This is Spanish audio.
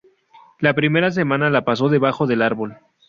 La primera semana la pasó debajo del árbol.